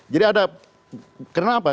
jadi ada kenapa